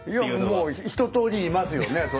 いやひととおりいますよね。